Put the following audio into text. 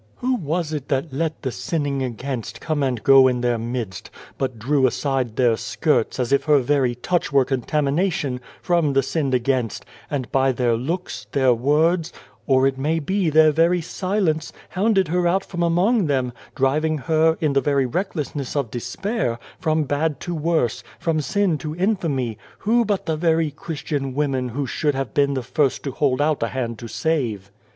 "Who was it that let the sinning against come and go in their midst, but drew aside their skirts, as if her very touch were contami nation, from the sinned against, and by their looks, their words, or it may be their very silence, hounded her out from among them, driving her, in the very recklessness of despair, from bad to worse, from sin to infamy who but the very Christian women who should have been the first to hold out a hand to save